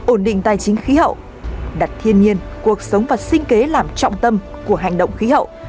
ổn định tài chính khí hậu đặt thiên nhiên cuộc sống và sinh kế làm trọng tâm của hành động khí hậu